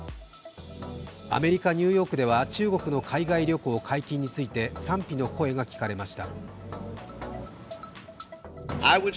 アメリカ・ニューヨークでは中国の海外旅行解禁について賛否の声が聞かれました。